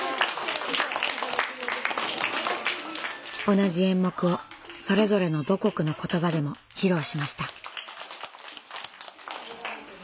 同じ演目をそれぞれの母国の言葉でも披露しました。